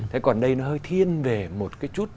thế còn đây nó hơi thiên về một cái chút